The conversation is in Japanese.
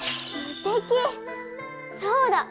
そうだ